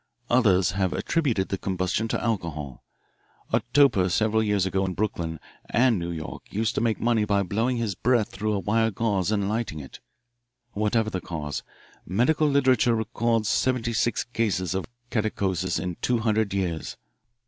Others have attributed the combustion to alcohol. A toper several years ago in Brooklyn and New York used to make money by blowing his breath through a wire gauze and lighting it. Whatever the cause, medical literature records seventy six cases of catacausis in two hundred years.